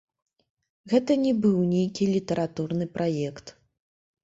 Гэта не быў нейкі літаратурны праект.